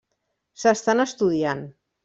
S'estan estudiant.